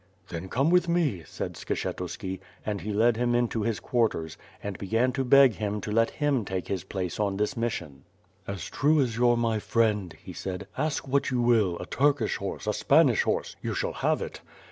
"Then come with me/' said Skshetuski, and he led him into his quarters^ and began to beg him to let him take his place on this mission. "As true as you're my friend," he said, "ask what you will, a Turkish horse, a Spanish horse; you shall have it.